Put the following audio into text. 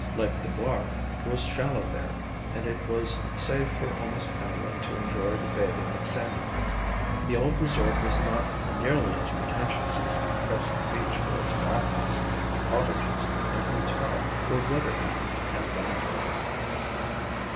Lake Dubar was shallow there and it was safe for almost anyone to enjoy the bathing at Sandy Point. The old resort was not nearly as pretentious as Crescent Beach for its bathhouses, cottages and hotel were weather beaten and vine covered.